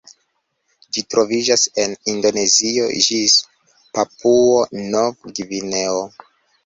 Ĝi troviĝas el Indonezio ĝis Papuo-Nov-Gvineo.